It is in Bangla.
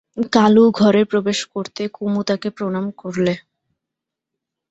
কালু ঘরে প্রবেশ করতে কুমু তাকে প্রণাম করলে।